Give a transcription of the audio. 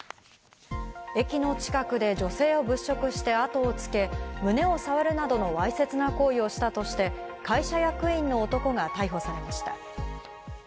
駅の近くで女性を物色して後をつけ、胸を触るなどのわいせつな行為をしたとして、会社役員の男が逮捕されました。